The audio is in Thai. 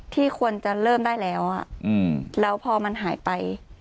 ที่ควรจะเริ่มได้แล้วแล้วพอมันหายไป